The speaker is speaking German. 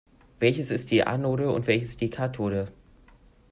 Welches ist die Anode und welches die Kathode?